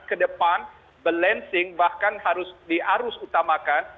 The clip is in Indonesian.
kedepan balancing bahkan harus diarus utamakan